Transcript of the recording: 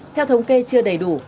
theo thống kê chưa đầy đủ